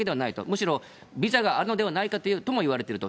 むしろビザがあるのではないかともいわれていると。